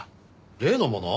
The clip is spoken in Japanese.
例のもの？